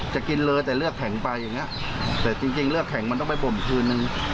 จะกินเลยแต่เลือกแข็งไปอย่างเงี้ยแต่จริงเลือกแข็งมันต้องไปบ่มคืนนึง